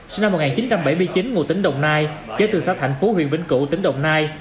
sinh năm một nghìn chín trăm bảy mươi chín ngụ tỉnh đồng nai chế từ xã thành phố huyện vĩnh cửu tỉnh đồng nai